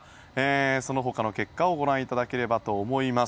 その他の結果をご覧いただければと思います。